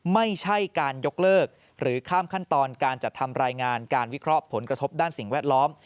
ไม่ใช่การยกเลิกหรือข้ามขั้นตอนการจัดทำรายงานการวิเคราะห์ผลกระทบด้านสิ่งแวดล้อม